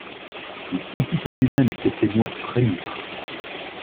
Il sentit en lui-même cet émoi frémir.